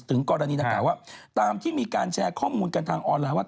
กรณีดังกล่าวว่าตามที่มีการแชร์ข้อมูลกันทางออนไลน์ว่า